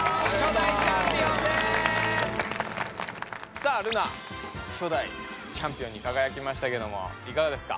さあルナ初代チャンピオンにかがやきましたけどもいかがですか？